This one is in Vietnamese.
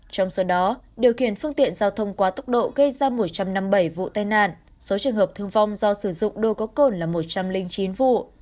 trong số đó điều khiển phương tiện giao thông quá tốc độ gây ra một trăm năm mươi bảy vụ tai nạn số trường hợp thương vong do sử dụng đôi có cồn là một trăm linh chín vụ